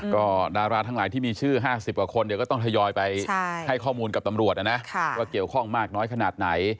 ก็ดาราทั้งหลายที่มีชื่อ๕๐กว่าคนเดี๋ยวก็ต้องทยอยไปให้ข้อมูลกับตำรวจนะนะว่าเกี่ยวข้องมากน้อยขนาดไหน